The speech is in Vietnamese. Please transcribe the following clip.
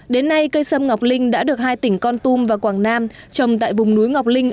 đến nay cây sâm ngọc linh đã được hai tỉnh con tum và quảng nam trồng tại vùng núi ngọc linh